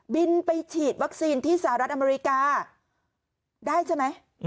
บินไปฉีดวัคซีนที่สหรัฐอเมริกาได้ใช่ไหม